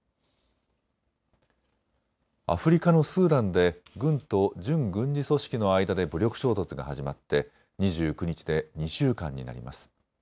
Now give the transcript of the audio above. アフリカのスーダンで軍と準軍事組織の間で武力衝突が始まって２９日で２週間になります。